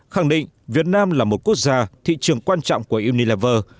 khẳng định việt nam là một quốc gia thị trường quan trọng của unilaver